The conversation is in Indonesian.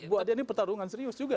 buat dia ini pertarungan serius juga